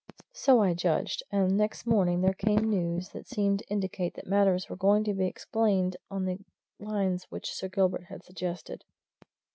So I judged and next morning there came news that seemed to indicate that matters were going to be explained on the lines which Sir Gilbert had suggested.